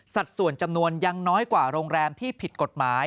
ส่วนจำนวนยังน้อยกว่าโรงแรมที่ผิดกฎหมาย